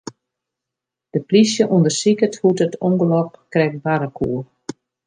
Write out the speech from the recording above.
De plysje ûndersiket hoe't it ûngelok krekt barre koe.